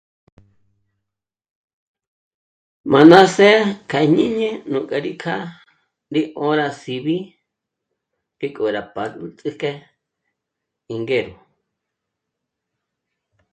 Má ná sjê'e k'a jñíñi nú kja rí kjâ'a ndí 'ö̂ra síb'i ngék'o rá p'ád'ü ts'íjk'e í ngéjo